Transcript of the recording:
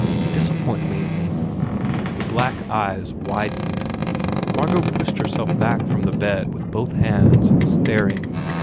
You dis appoint me !" The black eyes widened. Margot pushed her self back from the bed with both hands, staring.